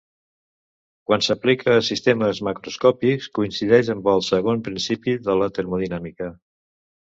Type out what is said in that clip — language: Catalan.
Quan s'aplica a sistemes macroscòpics coincideix amb el segon principi de la termodinàmica.